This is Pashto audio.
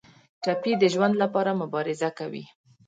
ټپي د ژوند لپاره مبارزه کوي.